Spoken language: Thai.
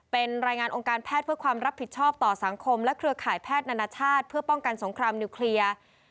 เป็นรายงานองค์การแพทย์เพื่อความรับผิดชอบต่อสังคมและเครือข่ายแพทย์นานาชาติเพื่อป้องกันสงครามนิวเคลียร์